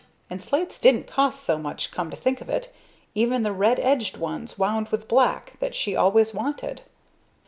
And slates didn't cost so much come to think of it, even the red edged ones, wound with black, that she always wanted.